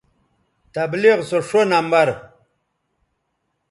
تبلیغ سو ݜو نمبر